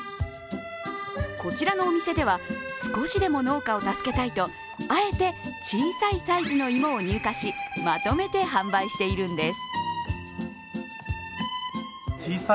こちらのお店では、少しでも農家を助けたいとあえて小さいサイズの芋を入荷しまとめて販売しているんです。